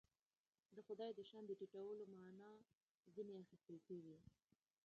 د خدای د شأن د ټیټولو معنا ځنې اخیستل کېږي.